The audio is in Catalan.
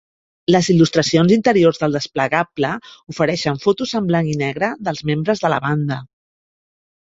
Les il·lustracions interiors del desplegable ofereixen fotos en blanc i negre dels membres de la banda.